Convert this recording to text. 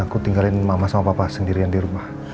aku tinggalin mama sama papa sendirian di rumah